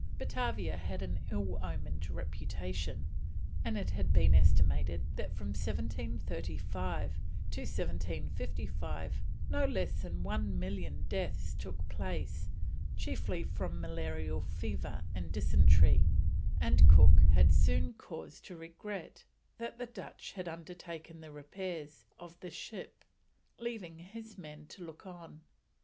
Batavia had an ill omened reputation, and it has been estimated that from 1735 to 1755 no less than 1,000,000 deaths took place, chiefly from malarial fever and dysentery, and Cook had soon cause to regret that the Dutch had undertaken the repairs of the ship, leaving his men to look on.